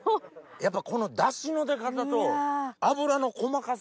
やっぱこのダシの出方と脂の細かさ？